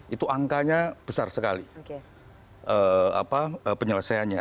itu angkanya besar sekali penyelesaiannya